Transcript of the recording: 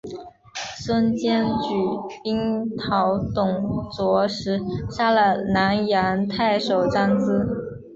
孙坚举兵讨董卓时杀了南阳太守张咨。